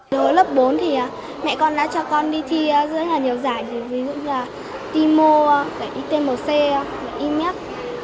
đối với lớp bốn thì mẹ con đã cho con đi thi rất là nhiều giải ví dụ như là timo itmc imf